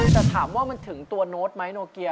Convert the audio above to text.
แต่ถามว่ามันถึงตัวโน้ตไหมโนเกีย